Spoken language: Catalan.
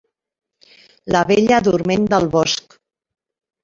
La bella dorment del bosc.